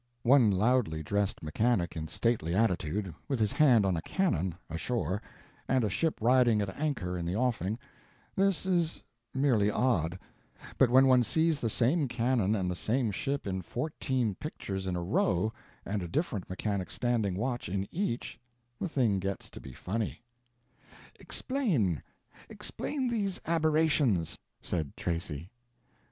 One loudly dressed mechanic in stately attitude, with his hand on a cannon, ashore, and a ship riding at anchor in the offing,—this is merely odd; but when one sees the same cannon and the same ship in fourteen pictures in a row, and a different mechanic standing watch in each, the thing gets to be funny. "Explain—explain these aberrations," said Tracy.